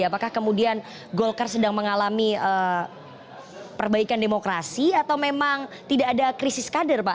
apakah kemudian golkar sedang mengalami perbaikan demokrasi atau memang tidak ada krisis kader pak